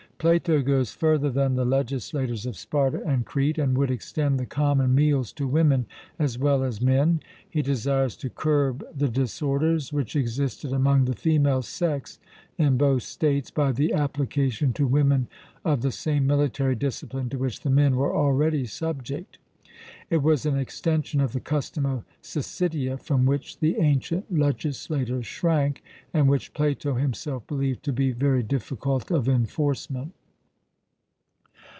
Plato goes further than the legislators of Sparta and Crete, and would extend the common meals to women as well as men: he desires to curb the disorders, which existed among the female sex in both states, by the application to women of the same military discipline to which the men were already subject. It was an extension of the custom of Syssitia from which the ancient legislators shrank, and which Plato himself believed to be very difficult of enforcement.